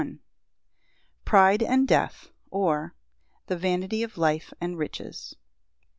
Pride and death; or, The vanity of life and riches.